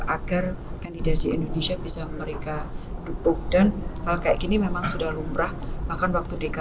agar kandidasi indonesia bisa mereka dukung dan hal kayak gini memang sudah lumrah bahkan waktu dki